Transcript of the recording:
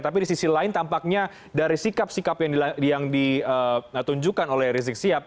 tapi di sisi lain tampaknya dari sikap sikap yang ditunjukkan oleh rizik sihab